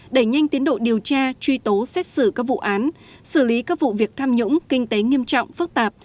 đẩy nhanh tiến độ điều tra truy tố xét xử các vụ án xử lý các vụ việc tham nhũng kinh tế nghiêm trọng phức tạp